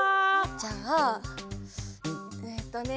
じゃあえっとね。